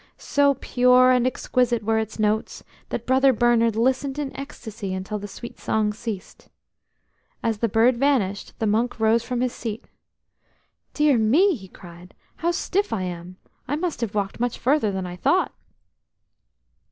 So pure and exquisite were its notes that Brother Bernard listened in ecstasy until the sweet song ceased. As the bird vanished, the monk rose from his seat. "Dear me," he cried, "how stiff I am! I must have walked much further than I thought."